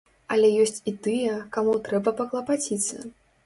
Але ёсць і тыя, каму трэба паклапаціцца.